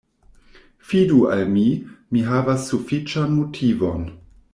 Fidu al mi; mi havas sufiĉan motivon.